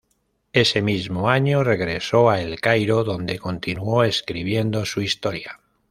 Ese mismo año regresó a el Cairo donde continuó escribiendo su historia.